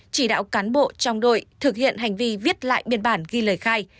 chỉ đạo cán bộ trong đội thực hiện hành vi viết lại biên bản ghi lời khai